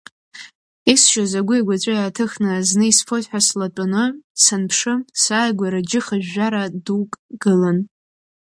Исшьыз агәи агәаҵәеи ааҭыхны, зны исфоит ҳәа слатәоны, санԥшы, сааигәара џьы хыжәжәара дук гылан.